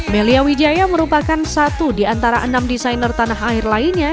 melia wijaya merupakan satu di antara enam desainer tanah air lainnya